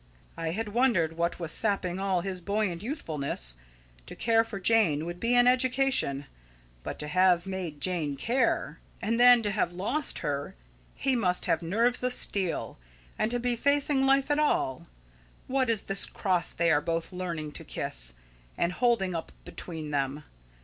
I had wondered what was sapping all his buoyant youthfulness. To care for Jane would be an education; but to have made Jane care! And then to have lost her! He must have nerves of steel, to be facing life at all. What is this cross they are both learning to kiss, and holding up between them?